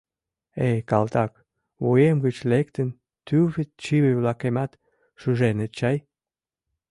— Эй, калтак, вуем гыч лектын тӱвыт Чыве-влакемат шуженыт чай?